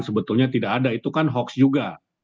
sebetulnya tidak ada itu kan hoax juga